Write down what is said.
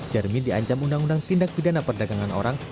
jermin diancam undang undang tindak pidana perdagangan orang